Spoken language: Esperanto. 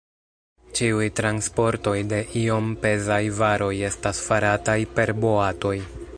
Ĉiuj transportoj de iom pezaj varoj estas farataj per boatoj.